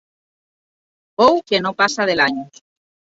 Bou que no passa de l'any.